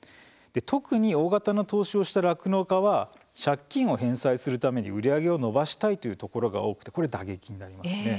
特に、大型の投資をした酪農家は借金を返済するために売り上げを伸ばしたいというところが多くてこれ、打撃になりますね。